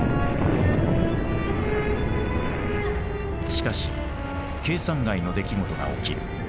しかし計算外の出来事が起きる。